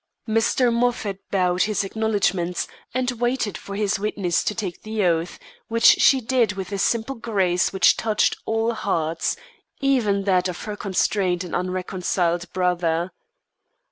Mr. Moffat bowed his acknowledgments, and waited for his witness to take the oath, which she did with a simple grace which touched all hearts, even that of her constrained and unreconciled brother.